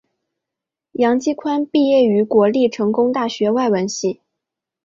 杨基宽毕业于国立成功大学外文系。